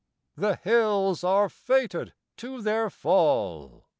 The hills are fated to their fall.